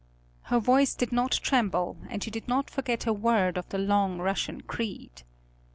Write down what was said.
Her voice did not tremble and she did not forget a word of the long Russian creed.